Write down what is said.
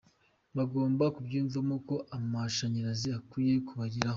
Mugomba kubyiyumvamo ko amashanyarazi akwiye kubageraho.